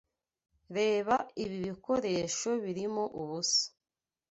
Reba ibi bikoresho birimo ubusa.